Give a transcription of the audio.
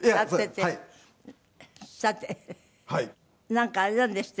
なんかあれなんですって？